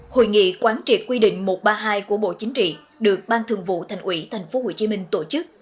hội nghị quán triệt quy định một trăm ba mươi hai của bộ chính trị được ban thường vụ thành ủy tp hcm tổ chức